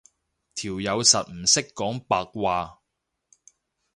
條友實唔識講白話